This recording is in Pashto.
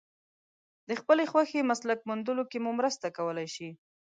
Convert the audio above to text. د خپلې خوښې مسلک موندلو کې مو مرسته کولای شي.